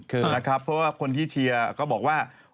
เพราะว่าคนที่เชียร์ก็บอกว่า